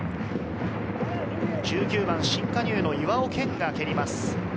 １９番、新加入の岩尾憲が蹴ります。